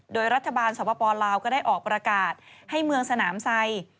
โดยรัฐบาลสปลาวก็ได้ออกประกาศให้เมืองสนามไซ